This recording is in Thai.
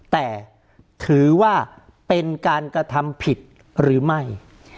แต่ถือว่าเป็นการกระทำผิดหรือไม่